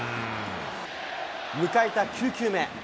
迎えた９球目。